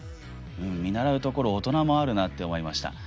見習うところ大人もあるなと思いました。